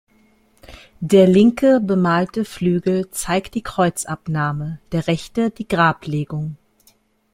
Der linke bemalte Flügel zeigt die Kreuzabnahme, der rechte die Grablegung.